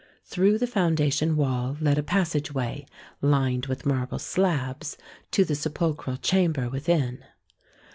Through the foundation wall led a passageway, lined with marble slabs, to the sepulchral chamber within.